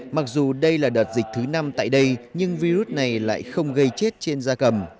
mặc dù đây là đợt dịch thứ năm tại đây nhưng virus này lại không gây chết trên da cầm